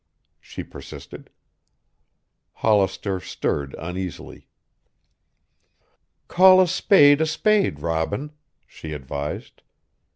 she persisted. Hollister stirred uneasily. "Call a spade a spade, Robin," she advised.